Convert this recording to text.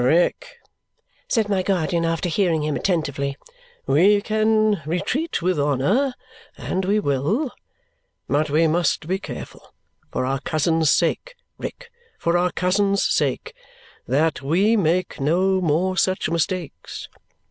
"Rick," said my guardian, after hearing him attentively, "we can retreat with honour, and we will. But we must be careful for our cousin's sake, Rick, for our cousin's sake that we make no more such mistakes.